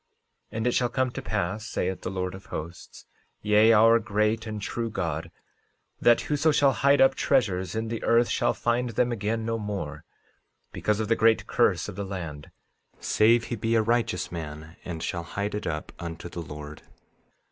13:18 And it shall come to pass, saith the Lord of Hosts, yea, our great and true God, that whoso shall hide up treasures in the earth shall find them again no more, because of the great curse of the land, save he be a righteous man and shall hide it up unto the Lord.